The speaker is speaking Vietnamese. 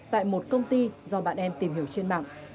tại một công ty do bạn em tìm hiểu trên mạng